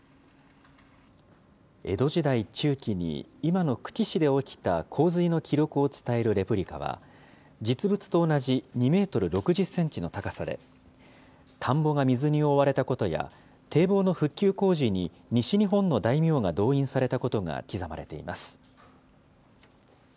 江戸時代中期に今の久喜市で起きた洪水の記録を伝えるレプリカは、実物と同じ２メートル６０センチの高さで、田んぼが水に覆われたことや、堤防の復旧工事に西日本の大名が動員されたことが刻まれています。